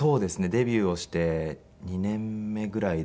デビューをして２年目ぐらいで。